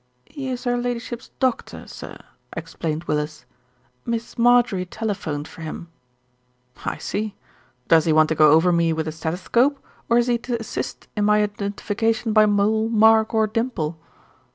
"He is her Ladyship's doctor, sir," explained Willis. "Miss Marjorie telephoned for him." "I see. Does he want to go over me with a stetho scope, or is he to assist in my identification by mole, mark, or dimple?"